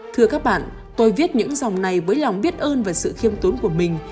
thưa các bạn tôi viết những dòng này với lòng biết ơn và sự khiêm tốn của mình